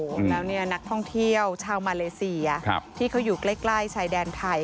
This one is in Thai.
แล้วนักท่องเที่ยวชาวมาเลเซียที่เขาอยู่ใกล้ชายแดนไทย